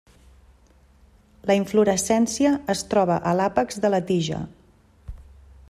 La inflorescència es troba a l'àpex de la tija.